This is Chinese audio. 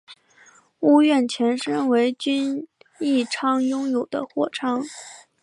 屋苑前身为均益仓拥有的货仓。